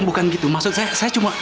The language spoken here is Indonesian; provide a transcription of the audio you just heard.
bukan gitu maksud saya saya cuma